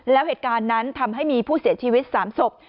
แล้วเหตุการณ์นั้นทำให้มีผู้เสียชีวิต๓ศพ